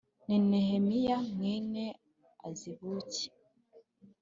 Ni Nehemiya mwene Azibuki